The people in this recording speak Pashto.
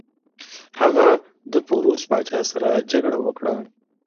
هغه د پوروس پاچا سره جګړه وکړه.